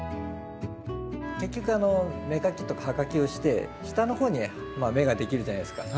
結局芽かきとか葉かきをして下の方に芽ができるじゃないですか。